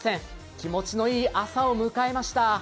気持ちのいい朝を迎えました。